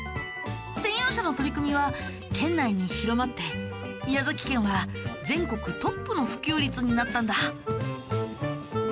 専用車の取り組みは県内に広まって宮崎県は全国トップの普及率になったんだ。